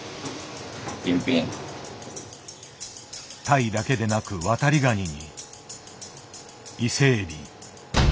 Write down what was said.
タイだけでなくワタリガニに伊勢エビ。